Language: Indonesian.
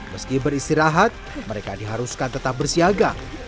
meski beristirahat mereka diharuskan tetap bersiaga